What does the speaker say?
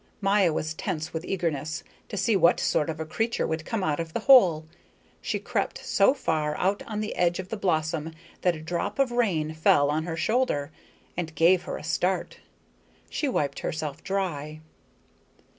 Maya was tense with eagerness to see what sort of a creature would come out of the hole. She crept so far out on the edge of the blossom that a drop of rain fell on her shoulder, and gave her a start. She wiped herself dry.